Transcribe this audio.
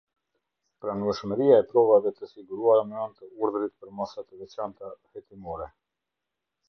Pranueshmëria e provave të siguruara me anë të urdhrit për masat e veçanta hetimore.